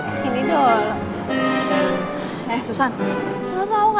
pada saat apa barrel dengan aku belum kabur lagi